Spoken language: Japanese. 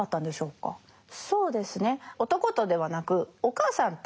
そうですね。